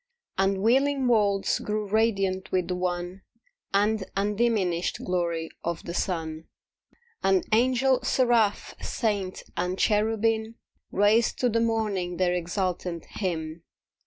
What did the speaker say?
And wheeling worlds grew radiant with the one And undiminished glory of the sun. And Angel, Seraph, Saint and Cherubim Raised to the morning their exultant hymn.